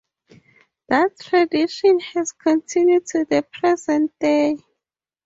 That tradition has continued to the present day.